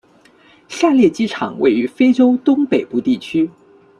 下列机场位于非洲东北部地区。